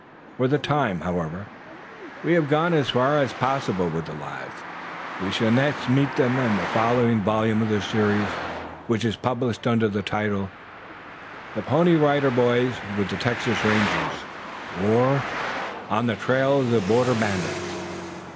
For the time being, however, we have gone as far as possible with the lads. We shall next meet them in the following volume of this series, which is published under the title, "The Pony Rider Boys With The Texas Rangers; Or, On the Trail of the Border Bandits."